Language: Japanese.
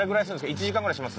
１時間ぐらいします？